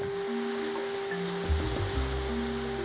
peselancar yang berada di kawasan kawasan kawasan